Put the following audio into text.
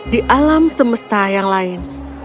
di alam semesta yang lain